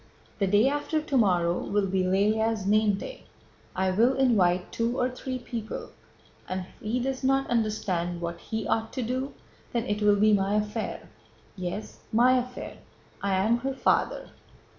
The day after tomorrow will be Lëlya's name day. I will invite two or three people, and if he does not understand what he ought to do then it will be my affair—yes, my affair. I am her father."